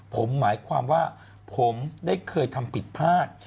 ผมหมายความว่าผมได้เคยทำผิดพลาด